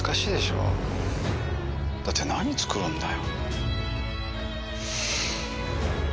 だって何作るんだよ。